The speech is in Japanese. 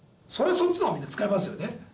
そっちの方がみんな使いますよね。